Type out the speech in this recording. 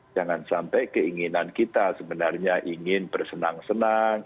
jangan sampai keinginan kita sebenarnya ingin bersenang senang